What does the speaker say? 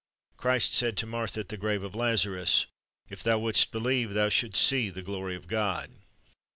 Christ said to Martha at the grave of Lazarus, "If thou wouldst believe, thou shouldst see the glory of God."